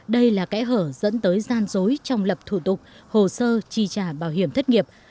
đây là kẽ hở dẫn tới gian dối trong lập thủ tục hồ sơ chi trả bảo hiểm thất nghiệp